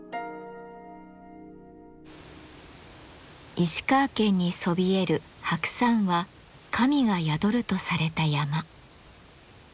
石川県にそびえる白山は神が宿るとされた山。